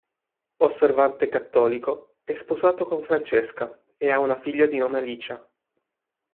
Osservante cattolico, è sposato con Francesca e ha una figlia di nome Alicja.